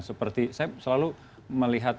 seperti saya selalu melihat